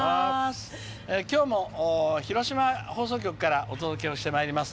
今日も広島放送局からお届けをしてまいります。